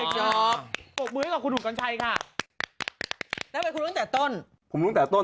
ทำไมคุณลงแต่ต้น